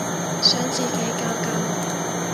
想自己搞搞